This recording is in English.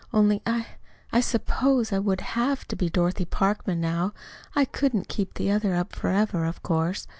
Only I I suppose I would HAVE to be Dorothy Parkman now. I couldn't keep the other up forever, of course.